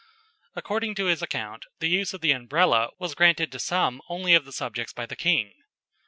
According to his account the use of the Umbrella was granted to some only of the subjects by the king.